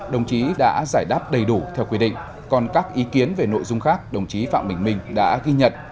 đồng chí đã giải đáp đầy đủ theo quy định còn các ý kiến về nội dung khác đồng chí phạm bình minh đã ghi nhận